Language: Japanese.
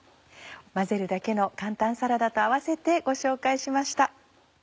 混ぜるだけの簡単サラダと併せてご紹介しました。